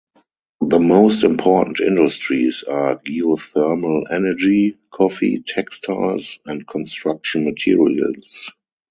The most important industries are geothermal energy, coffee, textiles and construction materials.